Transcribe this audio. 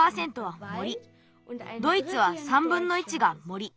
ドイツは３ぶんの１が森。